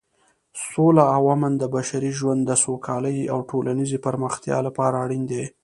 سوله او امن د بشري ژوند د سوکالۍ او ټولنیزې پرمختیا لپاره اړین دي.